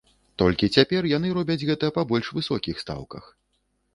Толькі цяпер яны робяць гэта па больш высокіх стаўках.